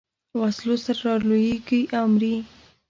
وسلو سره رالویېږي او مري.